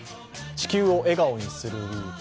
「地球を笑顔にするＷＥＥＫ」